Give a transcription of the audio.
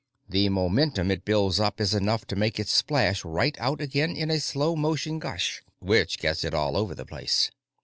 The momentum it builds up is enough to make it splash right out again in a slow motion gush which gets it all over the place.